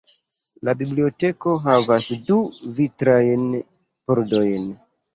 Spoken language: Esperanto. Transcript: La biblioteko havas du vitrajn pordojn.